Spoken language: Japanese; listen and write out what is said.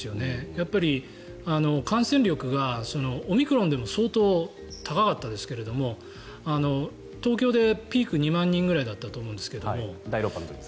やっぱり感染力がオミクロンでも相当高かったですけど東京でピーク２万人くらいだったと思うんですけど。